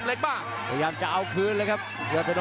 ล่ะครับหย่อตนมเพียสเข้าภาพ